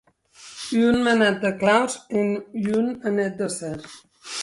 Un manat de claus en un anèth d’acèr.